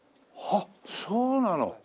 あっそうなの？